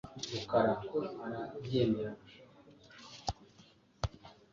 nu kubikemura mu maguru mashya,